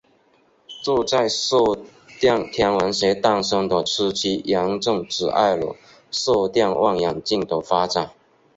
这在射电天文学诞生的初期严重阻碍了射电望远镜的发展。